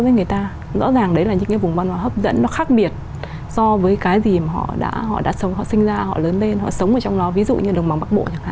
nói như anh đã gợi ra